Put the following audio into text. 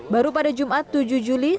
baru pada jumat tujuh juli